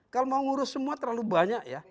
kalau mau ngurus semua terlalu banyak ya